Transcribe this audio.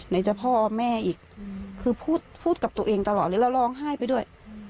จะพ่อแม่อีกคือพูดพูดกับตัวเองตลอดเลยแล้วร้องไห้ไปด้วย